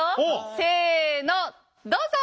せのどうぞ！